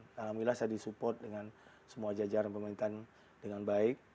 alhamdulillah saya disupport dengan semua jajaran pemerintahan dengan baik